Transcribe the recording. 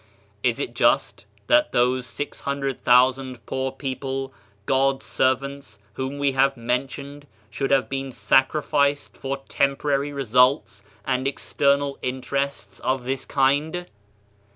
Is it just that those 600,000 poor people, God's servants, whom we have mentioned, should have been sacrificed for temporary results and external interests of this kind?